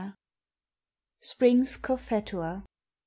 Spring's Cophetua.